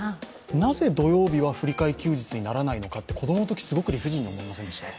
なぜ土曜日は振り替え休日にならないのかって、子供のときにすごく理不尽に思いませんでしたか。